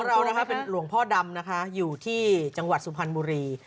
เรานะคะเป็นหลวงพ่อดำนะคะอยู่ที่จังหวัดสุพรรณบุรี